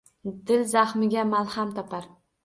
Dil zahmiga malham topar